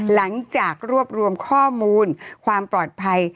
หลังจากรวบรวมข้อมูลความปลอดภัย